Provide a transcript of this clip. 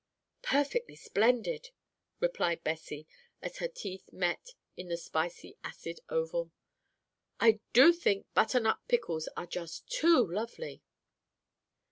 "Perfectly splendid!" replied Bessie, as her teeth met in the spicy acid oval. "I do think butternut pickles are just too lovely!"